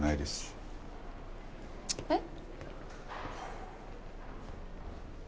えっ？